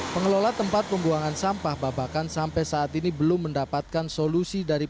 pengelola tempat pembuangan sampah babakan sampai saat ini belum mendapatkan solusi dari